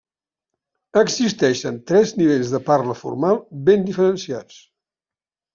Existeixen tres nivells de parla formal ben diferenciats.